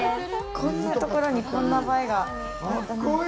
こんなところにこんな映えがあったなんて。